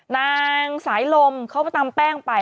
นางสายลมเค้าตามแป้งไป